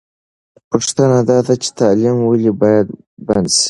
پوښتنه دا ده چې تعلیم ولې باید بند سي؟